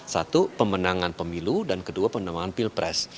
satu pemenangan pemilu dan kedua pemenangan pilpres